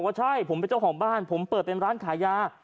ใช่ผมเป็นเจ้าของบ้านผมเปิดเป็นร้านขายยา